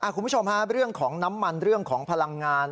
คุณผู้ชมฮะเรื่องของน้ำมันเรื่องของพลังงาน